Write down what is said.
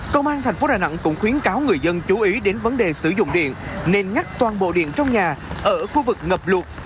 công an thành phố đà nẵng cũng khuyến cáo người dân chú ý đến vấn đề sử dụng điện nên ngắt toàn bộ điện trong nhà ở khu vực ngập luộc